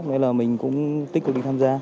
nên là mình cũng tích cực đi tham gia